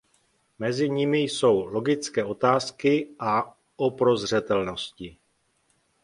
Mezi nimi jsou "Logické otázky" a "O prozřetelnosti".